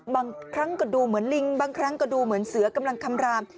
บางครั้งก็ดูเหมือนลิงบางครั้งก็ดูเหมือนเสือกำลังคำราม